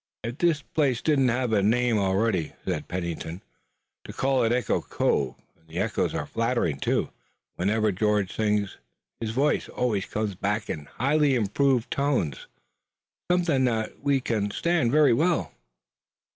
"If this place didn't have a name already," said Pennington, "I'd call it Echo Cove, and the echoes are flattering, too. Whenever George sings his voice always comes back in highly improved tones, something that we can stand very well."